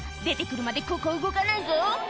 「出て来るまでここ動かないぞ」